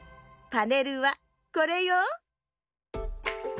パネルはこれよ。